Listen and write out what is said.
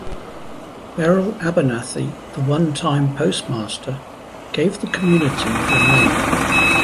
Beryl Abernathy, the onetime postmaster, gave the community her name.